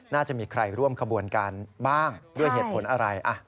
น่าจะมีใครร่วมขบวนการบ้างด้วยเหตุผลอะไร